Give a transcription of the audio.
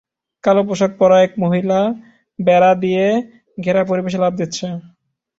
কালো পোশাক পরা এক মহিলা বেড়া দিয়ে ঘেরা পরিবেশে লাফ দিচ্ছে।